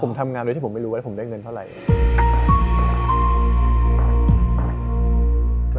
ผมทำงานโดยที่ผมไม่รู้ว่าผมได้เงินเท่าไหร่